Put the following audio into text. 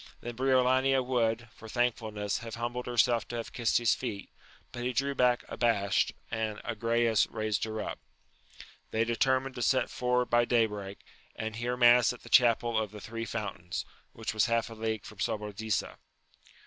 Then Briolania would, for thankfulness, have humbled herself to have kissed his feet, but he drew back abashed, and Agrayes raised her up. They determined to set for ward by day break, and hear mass at the chapel of the {Three Fountains, which was half a league from Sobradisa.